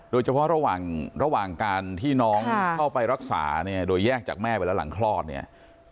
โดยเฉพาะระหว่างการที่น้องเข้าไปรักษาเนี่ยโดยแยกจากแม่ไปแล้วหลังคลอดเนี่ย